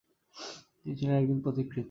তিনি ছিলেন একজন পথিকৃৎ।